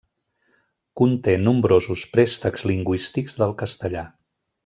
Conté nombrosos préstecs lingüístics del castellà.